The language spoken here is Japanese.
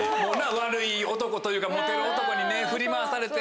悪い男というかモテる男に振り回されて。